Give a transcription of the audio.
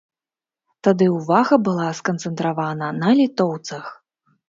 Тады ўвага была сканцэнтравана на літоўцах.